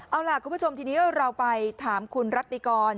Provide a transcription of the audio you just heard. เอาล่ะคุณผู้ชมทีนี้เราไปถามคุณรัติกร